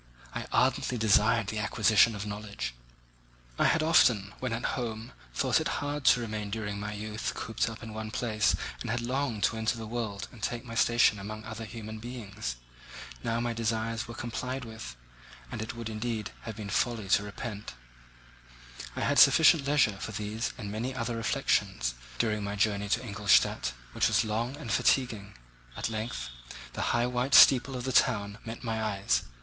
I ardently desired the acquisition of knowledge. I had often, when at home, thought it hard to remain during my youth cooped up in one place and had longed to enter the world and take my station among other human beings. Now my desires were complied with, and it would, indeed, have been folly to repent. I had sufficient leisure for these and many other reflections during my journey to Ingolstadt, which was long and fatiguing. At length the high white steeple of the town met my eyes.